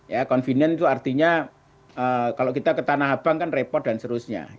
ya convenient itu artinya kalau kita ke tanah abang kan repot dan seterusnya